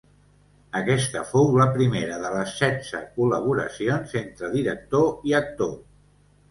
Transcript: Aquesta fou la primera de les setze col·laboracions entre director i actor.